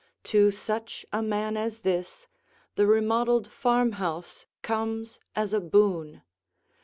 To such a man as this, the remodeled farmhouse comes as a boon.